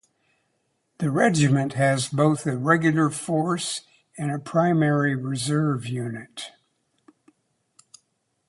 The regiment has both a Regular Force and a Primary Reserve unit.